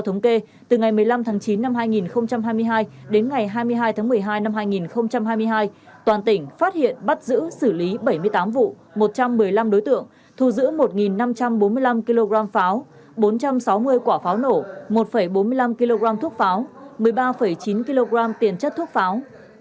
thống kê từ ngày một mươi năm tháng chín năm hai nghìn hai mươi hai đến ngày hai mươi hai tháng một mươi hai năm hai nghìn hai mươi hai toàn tỉnh phát hiện bắt giữ xử lý bảy mươi tám vụ một trăm một mươi năm đối tượng thu giữ một năm trăm bốn mươi năm kg pháo bốn trăm sáu mươi quả pháo nổ một bốn mươi năm kg thuốc pháo một mươi ba chín kg tiền chất thuốc pháo